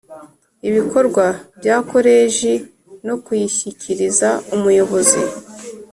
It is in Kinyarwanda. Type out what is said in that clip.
ibikorwa bya Koleji no kuyishyikiriza Umuyobozi